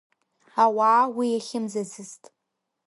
Ауаа уи иахьымӡацызт.